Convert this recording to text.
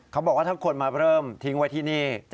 เขาบอกว่าถ้าคนมาเริ่มทิ้งไว้ที่นี่